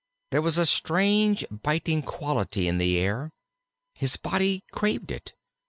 There was a strange biting quality in the air. His body craved it.